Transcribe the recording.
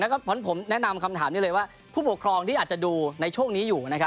เพราะฉะนั้นผมแนะนำคำถามนี้เลยว่าผู้ปกครองที่อาจจะดูในช่วงนี้อยู่นะครับ